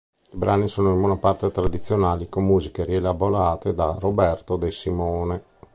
I brani sono in buona parte tradizionali con musiche rielaborate da Roberto De Simone.